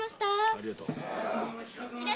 ありがとう。